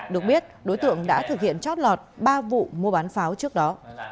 được biết đối tượng đã thực hiện chót lọt ba vụ mua bán pháo trước đó